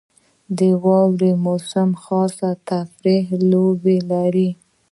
• د واورې موسم خاص تفریحي لوبې لري.